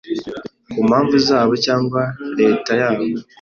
ku mpamvu zabo cyangwa Leta yabo,